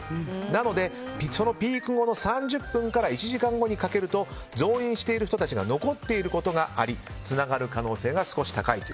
なので、そのピーク後の３０分から１時間後にかけると増員している人たちが残っていることがありつながる可能性が少し高いと。